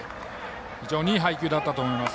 非常にいい配球だったと思います。